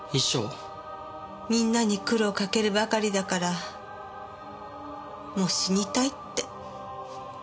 みんなに苦労をかけるばかりだからもう死にたいって。